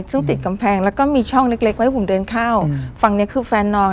ซึ่งติดกำแพงแล้วก็มีช่องเล็กเล็กไว้ให้ผมเดินเข้าฝั่งเนี้ยคือแฟนนอน